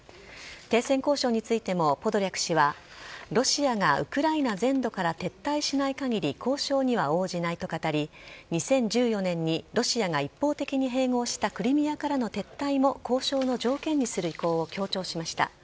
停戦交渉についてもポドリャク氏はロシアがウクライナ全土から撤退しない限り交渉には応じないと語り２０１４年にロシアが一方的に併合したクリミアからの撤退も交渉の条件にする意向を強調しました。